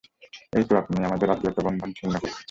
এই তো আপনি আমাদের আত্মীয়তা-বন্ধন ছিন্ন করলেন।